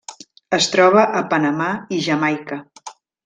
Es troba a Panamà i Jamaica.